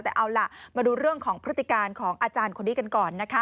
แต่เอาล่ะมาดูเรื่องของพฤติการของอาจารย์คนนี้กันก่อนนะคะ